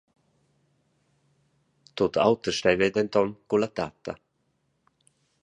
Tut auter steva ei denton culla tatta.